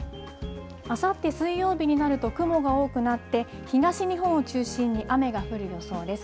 あさって水曜日になると、雲が多くなって、東日本を中心に雨が降る予想です。